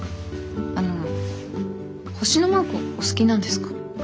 あの星のマークお好きなんですか？